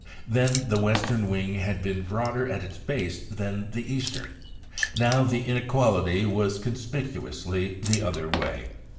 Then the western wing had been broader at its base than the eastern; now the inequality was conspicuously the other way.